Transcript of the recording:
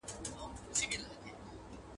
زه هره ورځ سبزېجات وچوم!!